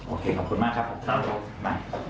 โอเคขอบคุณมากครับขอบคุณมาก